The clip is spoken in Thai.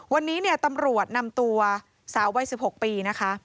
วันนี้เนี่ยตำรวจนำตัวสาววัย๑๖ปีนะคะ